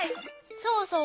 そうそう。